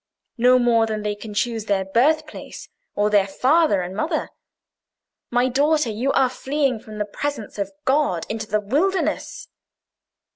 No more than they can choose their birthplace or their father and mother. My daughter, you are fleeing from the presence of God into the wilderness."